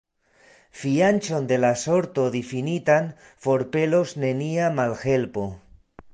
Fianĉon de la sorto difinitan forpelos nenia malhelpo.